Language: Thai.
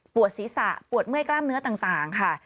ศีรษะปวดเมื่อยกล้ามเนื้อต่างค่ะ